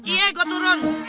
iya gua turun